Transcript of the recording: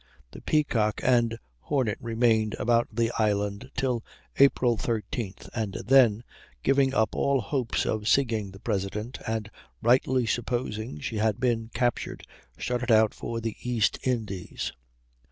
The Peacock and Hornet remained about the island till April 13th, and then, giving up all hopes of seeing the President, and rightly supposing she had been captured, started out for the East Indies.